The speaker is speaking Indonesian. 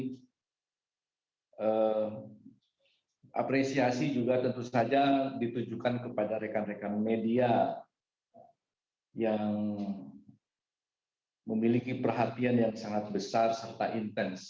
saya apresiasi juga tentu saja ditujukan kepada rekan rekan media yang memiliki perhatian yang sangat besar serta intens